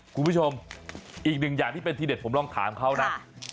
คุณผู้ชมอีกหนึ่งอย่างที่เป็นทีเด็ดผมลองถามเขานะ